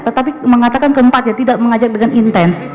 tetapi mengatakan keempat ya tidak mengajar dengan intens